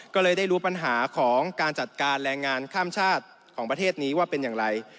ก็เลยได้รู้ปัญหาของการจัดการแรงงานข้ามชาติของประเทศนี้ว่าเป็นอย่างไร